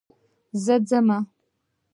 زه اوس ځم.